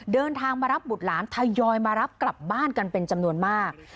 เดินทางมารับบุตรหลานทยอยมารับกลับบ้านกันเป็นจำนวนมาก